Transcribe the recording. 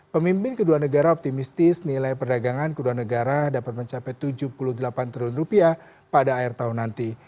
pemimpin kedua negara optimistis nilai perdagangan kedua negara dapat mencapai tujuh puluh delapan triliun rupiah pada akhir tahun nanti